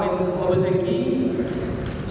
mengakankan dua orang penyakit aat